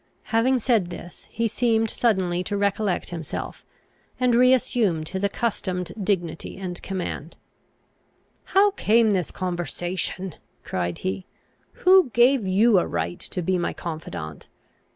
Having said this, he seemed suddenly to recollect himself, and re assumed his accustomed dignity and command. "How came this conversation?" cried he. "Who gave you a right to be my confidant?